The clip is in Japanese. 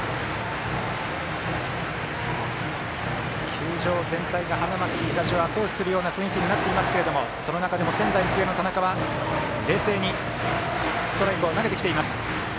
球場全体が花巻東をあと押しするような雰囲気になっていますけれどもその中でも仙台育英の田中は冷静にストライクを投げてきています。